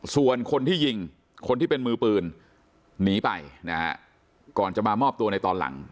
ส่วนคนที่ยิงคนที่เป็นมือปืนหนีไปนะฮะก่อนจะมามอบตัวในตอนหลัง